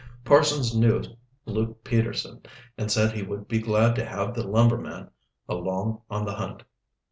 Parsons knew Luke Peterson, and said he would be glad to have the lumberman along on the hunt.